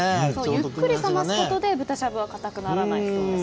ゆっくり冷ますことで豚肉はかたくならないそうです。